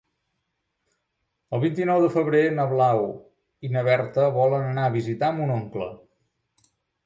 El vint-i-nou de febrer na Blau i na Berta volen anar a visitar mon oncle.